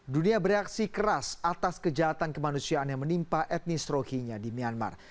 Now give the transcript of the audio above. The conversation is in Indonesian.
dunia bereaksi keras atas kejahatan kemanusiaan yang menimpa etnis rohinya di myanmar